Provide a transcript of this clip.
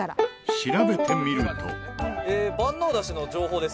調べてみると宮田：「万能だしの情報です」